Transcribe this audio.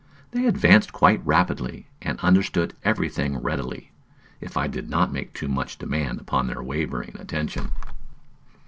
They advanced quite rapidly, and understood every thing readily, if I did not make too much demand upon their wavering attention.